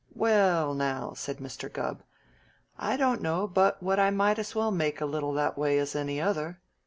"Well, now," said Mr. Gubb, "I don't know but what I might as well make a little that way as any other.